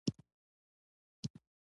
غلام رسول خان اسحق زی يو غښتلی مشر و.